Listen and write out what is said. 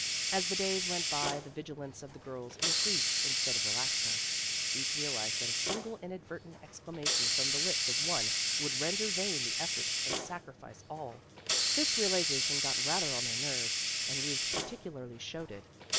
As the days went by, the vigilance of the girls increased instead of relaxing. Each realized that a single inadvertent exclamation from the lips of one would render vain the effort and sacrifice of all. This realization got rather on their nerves, and Ruth particularly, showed it.